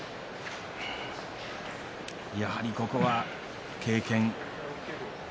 やはりここは経験。